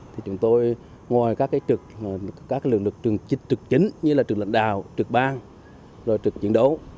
thì chúng tôi ngoài các cái trực các lực lực trực chính như là trực lãnh đạo trực bang trực chiến đấu